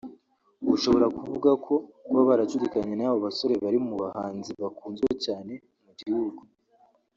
ushobora kuvuga ko kuba baracudikanye n’abo basore bari mu bahanzi bakunzwe cyane mu gihugu